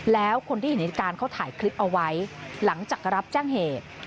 แล้วคนที่เห็นเหตุการณ์เขาถ่ายคลิปเอาไว้หลังจากรับแจ้งเหตุ